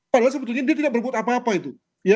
padahal sebetulnya dia tidak berbuat apa apa itu